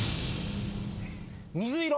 水色！